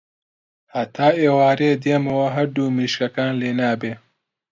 هەتا ئێوارێ دێمەوە هەردوو مریشکەکان لێنابێ.